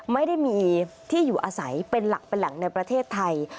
ไม่ได้มีที่อยู่อาศัยเป็นหลักเป็นแหล่งในประเทศไทย